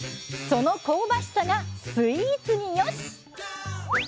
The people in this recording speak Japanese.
その香ばしさがスイーツによしっ！